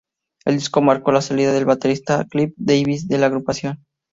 El disco marcó la salida del baterista Cliff Davies de la agrupación.